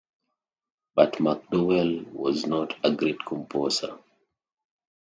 But MacDowell was not a great composer.